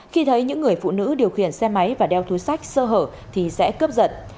khi thấy những người phụ nữ điều khiển xe máy và đeo túi sách sơ hở thì sẽ cướp giật